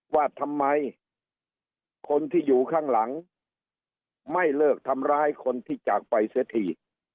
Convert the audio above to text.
ว่าทำไมคนที่อยู่ข้างหลังไม่เลิกทำร้ายคนที่จากไปเสียที